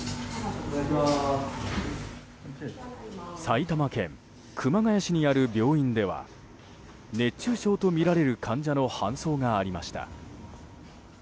埼玉県熊谷市にある病院では熱中症とみられる患者の搬送がありました。